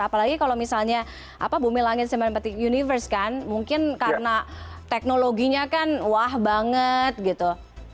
apalagi kalau misalnya bumi langit semen petic universe kan mungkin karena teknologinya kan wah banget gitu